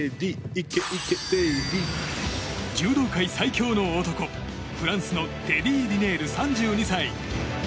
柔道界最強の男、フランスのテディ・リネール、３２歳。